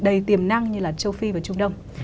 đầy tiềm năng như là châu phi và trung đông